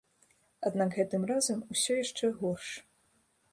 Аднак гэтым разам усё яшчэ горш.